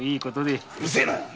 うるせえな！